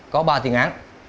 có ba tiền án